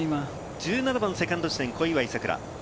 １７番セカンド地点、小祝さくら。